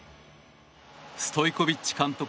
ストイコビッチ監督